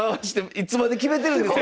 いつまで決めてるんですか